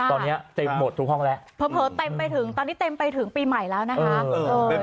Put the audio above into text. ตอนเนี้ยเต็มหมดทุกห้องแล้วเผ่อเต็มไปถึงปีใหม่แล้วนะครับ